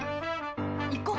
行こう！